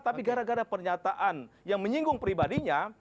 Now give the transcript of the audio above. tapi gara gara pernyataan yang menyinggung pribadinya